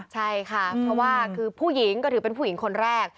ใช่ค่ะเพราะว่าคือผู้หญิงก็ถือเป็นผู้หญิงคนแรก